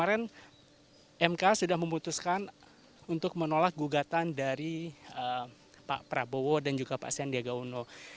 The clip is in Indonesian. ini adalah kegugatan dari pak prabowo dan juga pak sandiaga uno